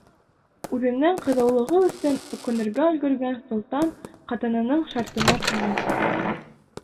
Үҙенең ҡыҙыулығы өсөн үкенергә өлгөргән солтан ҡатынының шартына күнә.